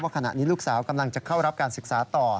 ขณะนี้ลูกสาวกำลังจะเข้ารับการศึกษาต่อ